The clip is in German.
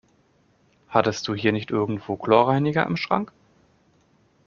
Hattest du hier nicht irgendwo Chlorreiniger im Schrank?